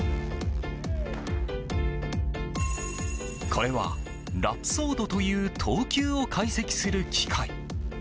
これはラプソードという投球を解析する機械。